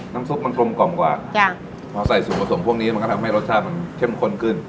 ซุปมันกลมกล่อมกว่าจ้ะพอใส่ส่วนผสมพวกนี้มันก็ทำให้รสชาติมันเข้มข้นขึ้น